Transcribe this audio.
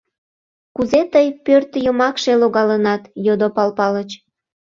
— Кузе тый пӧртйымакше логалынат? — йодо Пал Палыч.